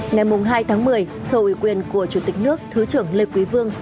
ngày hai tháng một mươi thầu ủy quyền của chủ tịch nước thứ trưởng lê quỳ vương